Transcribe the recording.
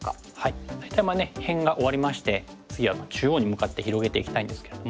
大体まあ辺が終わりまして次は中央に向かって広げていきたいんですけれども。